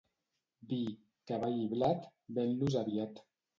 Vi, cavall i blat, ven-los aviat.